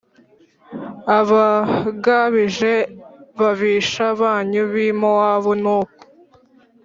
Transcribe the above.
Abagabije ababisha banyu b i mowabu nuko